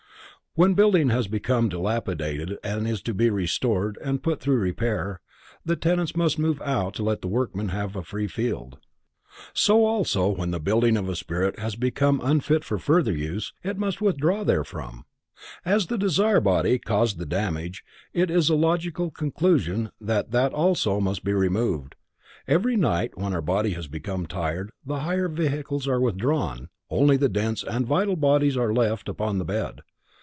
When a building has become dilapidated and is to be restored and put in thorough repair, the tenants must move out to let the workmen have a free field. So also when the building of a spirit has become unfit for further use, it must withdraw therefrom. As the desire body caused the damage, it is a logical conclusion that that also must be removed. Every night when our body has become tired, the higher vehicles are withdrawn, only the dense and vital bodies are left upon the bed.